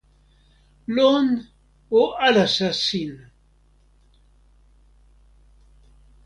lon, o alasa sin.